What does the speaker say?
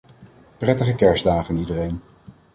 Prettige kerstdagen iedereen.